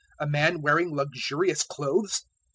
A man wearing luxurious clothes?